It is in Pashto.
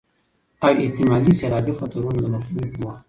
او احتمالي سيلابي خطرونو د مخنيوي په موخه